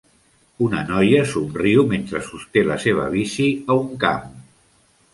Una noia somriu mentre sosté la seva bici a un camp.